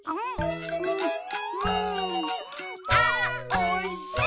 あおいしい！